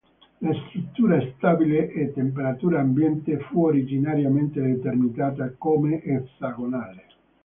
La struttura stabile a temperatura ambiente fu originariamente determinata come esagonale.